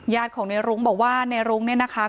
ของในรุ้งบอกว่าในรุ้งเนี่ยนะคะ